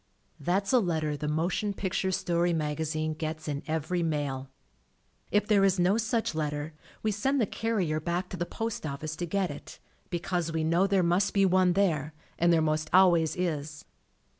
That's a letter The Motion Pic ture Story Magazine gets in every mail. If there is no such letter, we send the carrier back to the postoffice to get it, because we know there must be one there, and there most always is.